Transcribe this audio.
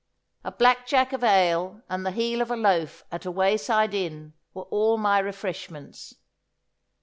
A black jack of ale and the heel of a loaf at a wayside inn were all my refreshments.